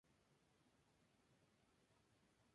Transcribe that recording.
Estos libros son: "La paz de Dios y del Rey.